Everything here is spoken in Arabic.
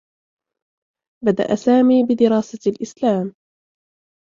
بدأ سامي بدراسة الإسلام.